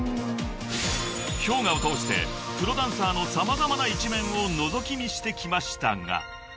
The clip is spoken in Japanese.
［ＨｙＯｇＡを通してプロダンサーの様々な一面をのぞき見してきましたが］